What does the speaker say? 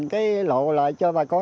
cái lộ lại cho bà con